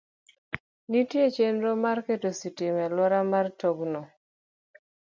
Nitie chenro mar keto sitima e alwora mar tong'no.